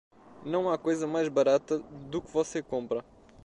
Não há coisa mais barata do que você compra.